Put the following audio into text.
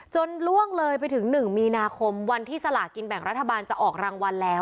ล่วงเลยไปถึง๑มีนาคมวันที่สลากินแบ่งรัฐบาลจะออกรางวัลแล้ว